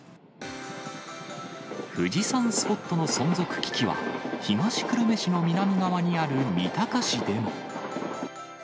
富士山スポットの存続危機は、東久留米市の南側にある三鷹市でも。